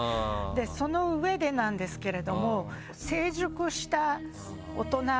そのうえでなんですけれども。